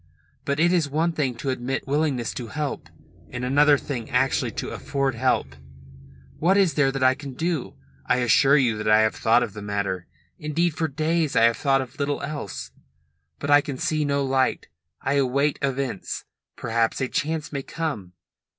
But it is one thing to admit willingness to help and another thing actually to afford help. What is there that I can do? I assure you that I have thought of the matter. Indeed for days I have thought of little else. But I can see no light. I await events. Perhaps a chance may come."